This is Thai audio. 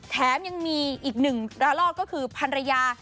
แถมยังมีอีกหนึ่งระลอกก็คือภรรยา